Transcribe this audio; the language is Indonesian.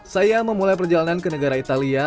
saya memulai perjalanan ke negara italia